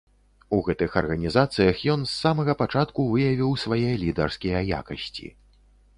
У гэтых арганізацыях ён з самага пачатку выявіў свае лідарскія якасці.